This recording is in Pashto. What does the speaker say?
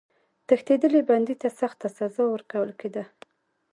تښتېدلي بندي ته سخته سزا ورکول کېده.